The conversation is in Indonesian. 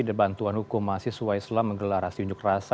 dan bantuan hukum mahasiswa islam menggelarasi unjuk rasa